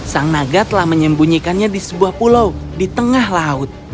sang naga telah menyembunyikannya di sebuah pulau di tengah laut